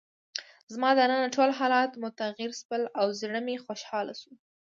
زما دننه ټول حالات متغیر شول او زړه مې خوشحاله شو.